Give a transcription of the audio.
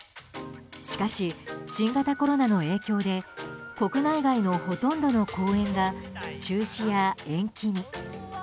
しかし、新型コロナの影響で国内外のほとんどの公演が中止や延期に。